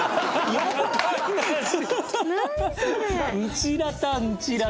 「んちらたんちらた」。